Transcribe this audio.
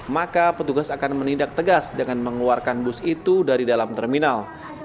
maka petugas akan menindak tegas dengan mengeluarkan bus itu dari dalam terminal